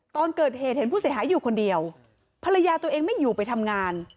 ตอนเกิดเหตุเห็นผู้เสียหายอยู่คนเดียวภรรยาตัวเองไม่อยู่ไปทำงาน